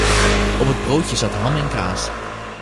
Op het broodje zat ham en kaas.